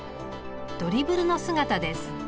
ドリブルの姿です。